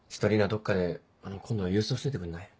どっかで今度郵送しといてくんない？